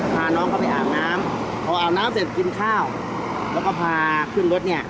พาน้องเขาไปอาบน้ำพออาบน้ำเสร็จกินข้าวแล้วก็พาขึ้นรถเนี่ย